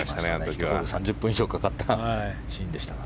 ３０分以上かかったシーンでした。